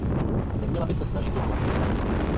Neměla by se snažit je kopírovat.